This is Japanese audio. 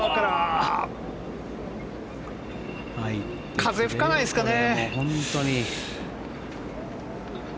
風、吹かないですかね。